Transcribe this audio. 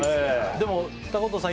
でも藤さん